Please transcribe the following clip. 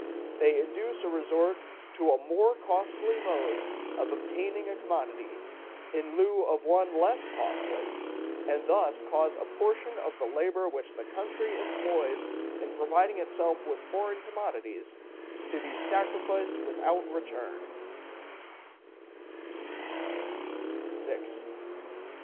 They induce a resort to a more costly mode of obtaining a commodity in lieu of one less costly, and thus cause a portion of the labor which the country employs in providing itself with foreign commodities to be sacrificed without return.